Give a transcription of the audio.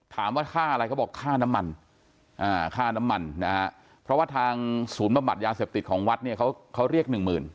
ถามว่าค่าอะไรเขาบอกค่าน้ำมันเพราะว่าทางศูนย์บำบัดยาเสพติดของวัดเขาเรียก๑๐๐๐๐